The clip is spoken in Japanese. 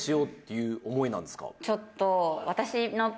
ちょっと。